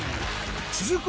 続く